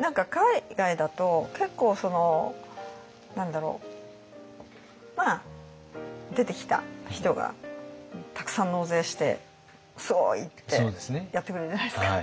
何か海外だと結構何だろうまあ出てきた人がたくさん納税して「すごい！」ってやってくれるじゃないですか。